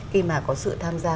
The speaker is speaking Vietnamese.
khi mà có sự tham gia